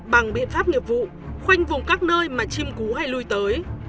bằng biện pháp nghiệp vụ khoanh vùng các nơi mà chim cú hay lui tới